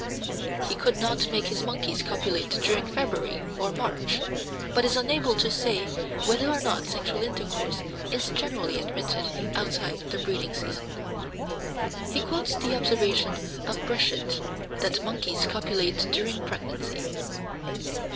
He could not make his monkeys copulate during February or March, but is unable to say whether or not sexual intercourse is generally admitted outside the breeding season. He quotes the observation of Breschet that monkeys copulate during pregnancy.